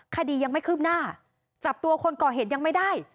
คดียังไม่คืบหน้าจับตัวคนก่อเหตุยังไม่ได้